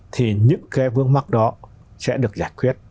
thì những cái vướng mắc đó sẽ được giải quyết